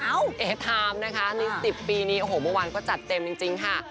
เอทามนะคะใน๑๐ปีนี้โอ้โหเมื่อวานก็จัดเต็มจริงค่ะ